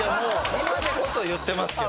今でこそ言ってますけど。